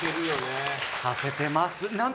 させてます。